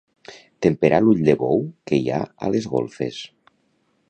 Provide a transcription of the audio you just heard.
Temperar l'ull de bou que hi ha a les golfes.